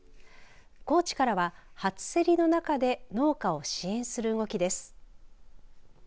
高知からは、初競りの中で農家を支援する動きです。